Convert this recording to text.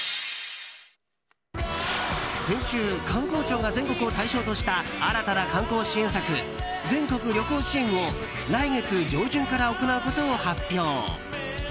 先週、観光庁が全国を対象とした新たな観光支援策全国旅行支援を来月上旬から行うことを発表。